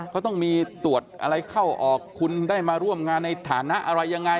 เขาต้องมีตรวจอะไรเข้าออกคุณได้มาร่วมงานในฐานะอะไรยังไง